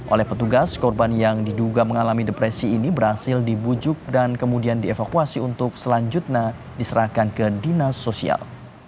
oleh petugas korban yang diduga mengalami depresi ini berhasil dibujuk dan kemudian dievakuasi untuk selanjutnya diserahkan ke dinas sosial